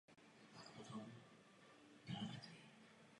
Libreto pochází z pera Lorenza da Ponte.